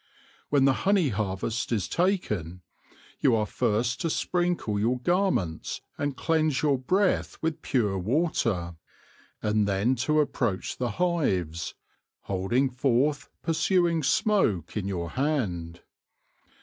When the honey harvest is taken, you are first to sprinkle your garments and cleanse your breath with pure water, and then to approach the hives " holding forth pursuing smoke in your hand."